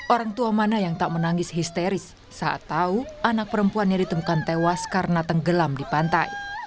orang tua mana yang tak menangis histeris saat tahu anak perempuannya ditemukan tewas karena tenggelam di pantai